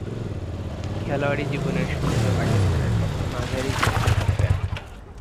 খেলোয়াড়ী জীবনের শুরুতে পাকিস্তানের পক্ষে মাঝারি সারিতে খেলতেন।